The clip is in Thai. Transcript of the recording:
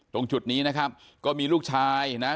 ตรงจุดนี้นะครับก็มีลูกชายนะฮะ